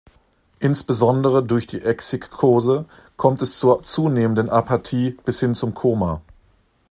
Insbesondere durch die Exsikkose kommt es zur zunehmenden Apathie bis hin zum Koma.